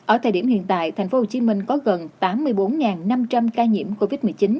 ở thời điểm hiện tại tp hcm có gần tám mươi bốn năm trăm linh ca nhiễm covid một mươi chín